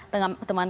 teman kami berharap